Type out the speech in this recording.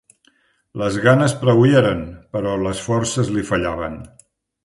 Les ganes prou hi eren, però les forces li fallaven.